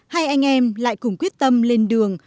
hai anh em lại cùng quyết tâm lên đường